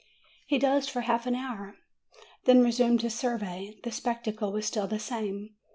He dozed for half an hour; then resumed his survey: the spectacle was still the same.